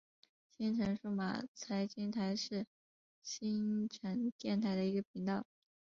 新城数码财经台是新城电台的一个频道。